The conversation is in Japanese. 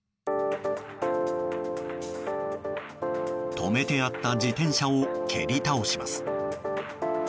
止めてあった自転車を蹴り倒します。